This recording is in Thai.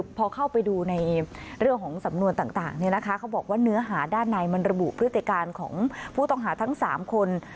ก็คือพอเข้าไปดูในเรื่องของสำนวนต่างต่างเนี่ยนะคะเขาบอกว่าเนื้อหาด้านในมันระบุพฤติการของผู้ต่องหาทั้งสามคน